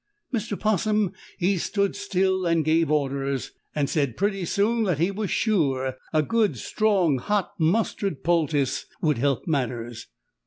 Mr. 'Possum he stood still and gave orders, and said pretty soon that he was sure a good strong hot mustard poultice would help matters.